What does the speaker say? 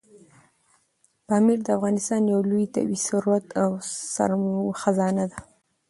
پامیر د افغانستان یو لوی طبعي ثروت او خزانه ده.